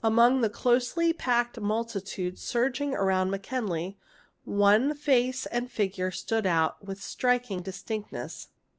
— Among the closely packed multitude surging around MacKinley, one face and figure stood out with striking distinctness.